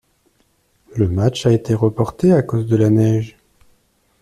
Le match a été reporté à cause de la neige.